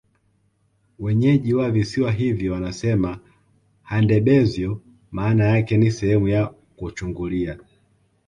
Wenyeji wa Visiwa hivi wanasema Handebezyo maana yake ni Sehemu ya kuchungulia